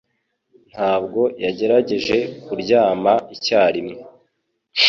Ntabwo yagerageje kuryama icyarimwe.